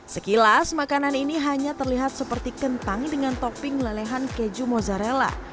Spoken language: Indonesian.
sekilas makanan ini hanya terlihat seperti kentang dengan topping lelehan keju mozzarella